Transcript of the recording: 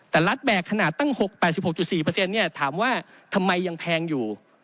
แต่รัฐแบกขนาดตั้ง๖๘๖๔ถามว่าทำไมยังแพงอยู่